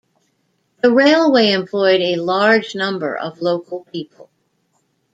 The railway employed a large number of local people.